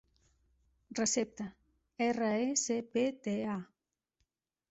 Recepta: erra, e, ce, pe, te, a.